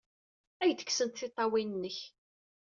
Ad ak-d-kksent tiṭṭawin-nnek!